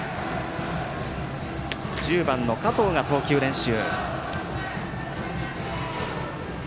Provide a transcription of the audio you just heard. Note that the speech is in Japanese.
１０番の加藤が投球練習。